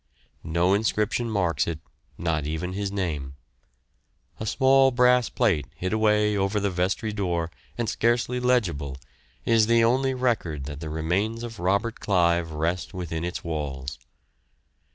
No inscription marks it, not even his name; a small brass plate hid away over the vestry door and scarcely legible is the only record that the remains of Robert Clive rest within its walls.